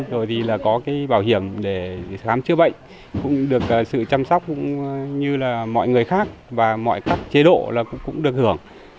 rồi thì là có cái bảo hiểm để khám chữa bệnh cũng được sự chăm sóc cũng như là mọi người khác và mọi các chế độ là cũng được hưởng